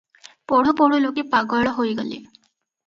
ପଢ଼ୁ ପଢ଼ୁ ଲୋକେ ପାଗଳ ହୋଇଗଲେ ।